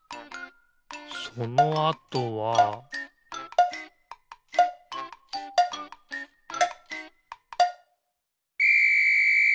そのあとはピッ！